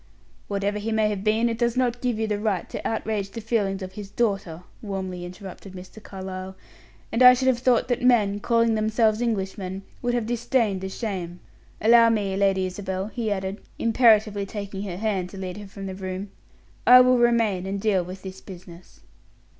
"Whatever he may have been, it does not give you the right to outrage the feelings of his daughter," warmly interrupted Mr. Carlyle; "and I should have thought that men, calling themselves Englishmen, would have disdained the shame. Allow me, Lady Isabel," he added, imperatively taking her hand to lead her from the room. "I will remain and deal with this business."